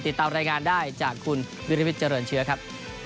ติดตามรายงานได้จากคุณวิริวิทเจริญเชื้อครับ